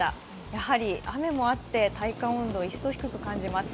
やはり雨もあって体感温度が一層低く感じます。